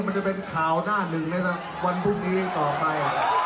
มันจะเป็นข่าวหน้าหนึ่งในวันพรุ่งนี้ต่อไป